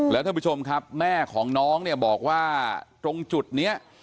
แล้วท่านผู้ชมครับแม่ของน้องเนี่ยบอกว่าตรงจุดนี้